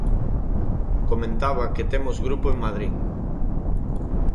Comentaba que temos grupo en Madrid.